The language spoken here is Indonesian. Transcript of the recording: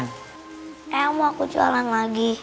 kayaknya mau aku jualan lagi